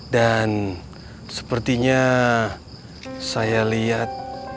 dan sepertinya saya lihat